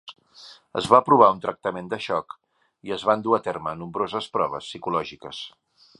Es va provar un tractament de xoc i es van dur a terme nombroses proves psicològiques.